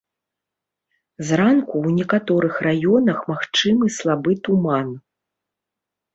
Зранку ў некаторых раёнах магчымы слабы туман.